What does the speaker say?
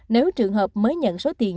nếu trường hợp mới nhận số tiền